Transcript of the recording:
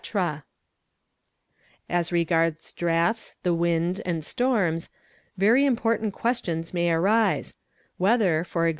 | As regards draughts, the wind, and storms, very important questions may arise; whether e.g.